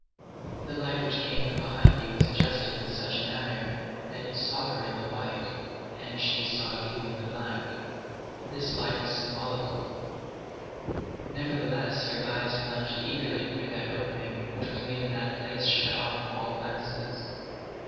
The light which came from behind you was adjusted in such a manner that you saw her in the white, and she saw you in the black. This light was symbolical. Nevertheless, your eyes plunged eagerly through that opening which was made in that place shut off from all glances.